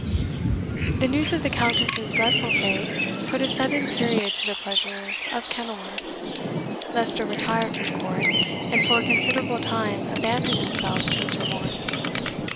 The news of the Countess's dreadful fate put a sudden period to the pleasures of Kenilworth. Leicester retired from court, and for a considerable time abandoned himself to his remorse.